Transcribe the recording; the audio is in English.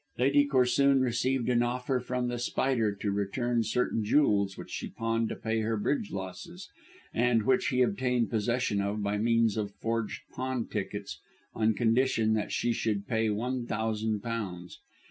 Lady Corsoon received an offer from The Spider to return certain jewels which she pawned to pay her bridge losses, and which he obtained possession of by means of forged pawntickets, on condition that she should pay one thousand pounds.